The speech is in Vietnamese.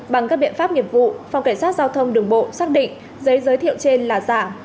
bằng các biện pháp nghiệp vụ phòng cảnh sát giao thông đường bộ xác định giấy giới thiệu trên là giả